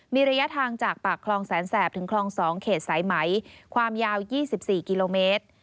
มีระยะทางจากปากคลองแสนแสบถึงคลอง๒เขตสายไหมความยาว๒๔กิโลเมตร